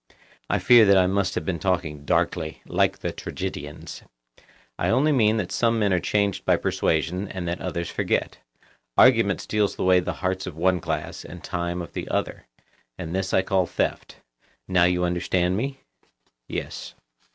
I fear that I must have been talking darkly, like the tragedians. I only mean that some men are changed by persuasion and that others forget; argument steals away the hearts of one class, and time of the other; and this I call theft. Now you understand me? Yes.